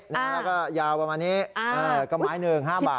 แล้วก็ยาวประมาณนี้ก็ไม้๑๕บาท